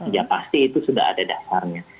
ya pasti itu sudah ada dasarnya